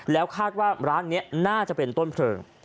แล้วคาดว่าร้านนี้น่าจะเป็นต้นเพลิง